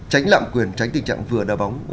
tránh lạm quyền tránh tình trạng vừa đà bóng